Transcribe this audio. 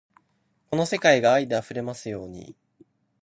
この世界が愛で溢れますように